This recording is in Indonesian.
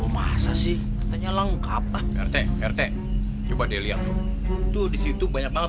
masa sih katanya lengkap rt rt coba lihat tuh disitu banyak banget